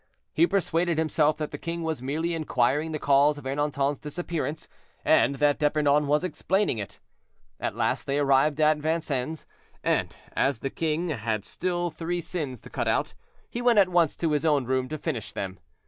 He persuaded himself that the king was merely inquiring the cause of Ernanton's disappearance, and that D'Epernon was explaining it. At last they arrived at Vincennes, and as the king had still three sins to cut out, he went at once to his own room to finish them.